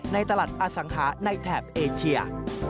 ในตลาดอสังหาในแถบเอเชีย